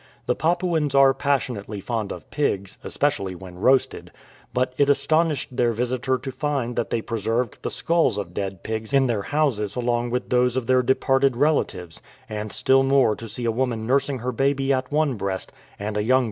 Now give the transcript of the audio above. The Papuans are passionately fond of pigs, especially when roasted ; but it astonished their visitor to find that they preserved the skulls of dead pigs in their houses along with those of their departed relatives, and still more to see a woman nursing her baby at one breast and a young pig at the other.